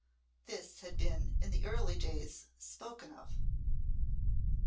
This had been in the early days spoken of.